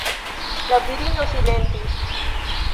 La virino silentis.